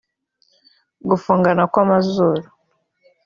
gufungana kw’amazuru